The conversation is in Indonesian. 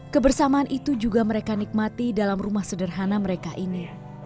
kebersamaan itu juga mereka nikmati dalam rumah sederhana mereka ini